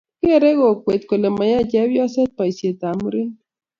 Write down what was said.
kereei kokwet kole mayae chepyoset boisietab murenik